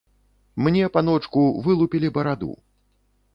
Мне, паночку, вылупілі бараду.